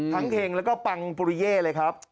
เห็งแล้วก็ปังปุริเย่เลยครับ